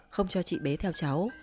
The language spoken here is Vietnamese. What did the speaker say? không cho chị bé theo cháu